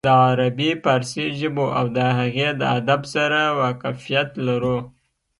د عربي فارسي ژبو او د هغې د ادب سره واقفيت لرلو